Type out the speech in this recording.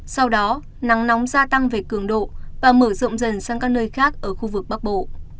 sau đó nắng nóng gia tăng về cường độ và mở rộng dần sang các nơi khác ở khu vực bắc bộ